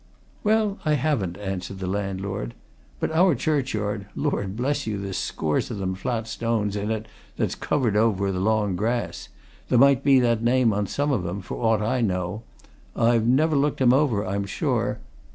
"Well, I haven't," answered the landlord. "But our churchyard Lord bless you, there's scores o' them flat stones in it that's covered with long grass there might be that name on some of 'em, for aught I know; I've never looked 'em over, I'm sure.